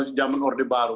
masih zaman orde baru